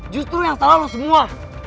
justru yang salah loh semua